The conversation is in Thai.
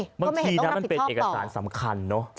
เพราะไม่เห็นต้องการผิดชอบต่อมันเป็นเอกสารสำคัญเนอะ